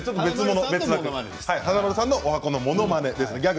華丸さんのおはこのものまね。